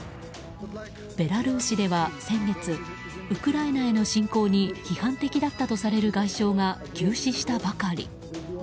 ベラルーシでは先月ウクライナへの侵攻に批判的だったとされる外相が急死したばかり。